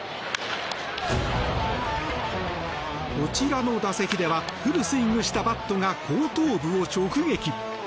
こちらの打席ではフルスイングしたバットが後頭部を直撃。